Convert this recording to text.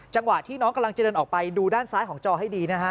จังหวะที่น้องกำลังจะเดินออกไปดูด้านซ้ายของจอให้ดีนะฮะ